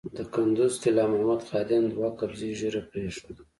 د کندز طلا محمد خادم دوه قبضې ږیره پرېښوده.